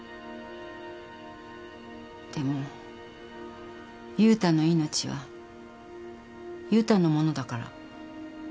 でも悠太の命は悠太のものだから。